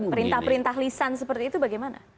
perintah perintah lisan seperti itu bagaimana